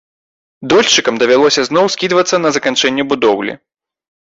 Дольшчыкам давялося зноў скідвацца на заканчэнне будоўлі.